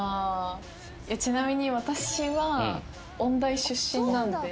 ちなみに私は音大出身なんで。